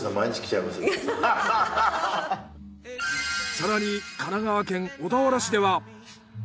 更に神奈川県小田原市では。